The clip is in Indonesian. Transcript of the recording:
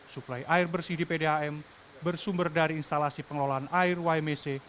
suplai air bersih di pdam bersumber dari instalasi pengelolaan air ymec